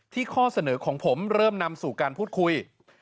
ข้อเสนอของผมเริ่มนำสู่การพูดคุย